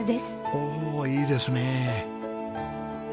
おおいいですねえ！